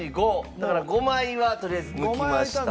だから５枚はとりあえず抜きました。